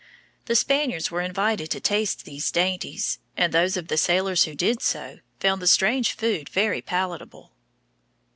The Spaniards were invited to taste these dainties, and those of the sailors who did so found the strange food very palatable.